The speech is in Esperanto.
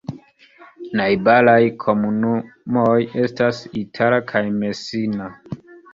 Najbaraj komunumoj estas Itala kaj Messina.